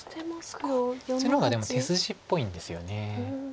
こっちの方がでも手筋っぽいんですよね。